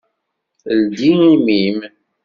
Ldi imi-m!